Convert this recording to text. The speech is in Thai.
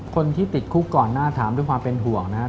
คนที่ติดคุกก่อนหน้าถามด้วยความเป็นห่วงนะครับ